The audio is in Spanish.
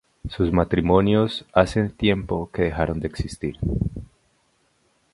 Sus matrimonios hace tiempo que dejaron de existir.